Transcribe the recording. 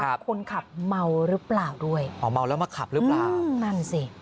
คนขับเมาหรือเปล่าด้วยอ๋อเมาแล้วมาขับหรือเปล่านั่นสิ